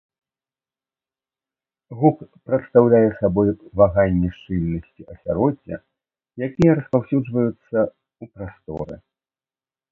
Гук прадстаўляе сабой ваганні шчыльнасці асяроддзя, якія распаўсюджваюцца ў прасторы.